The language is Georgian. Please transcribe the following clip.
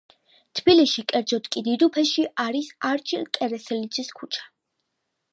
თბილისში, კერძოდ კი დიდუბეში არის არჩილ კერესელიძის ქუჩა.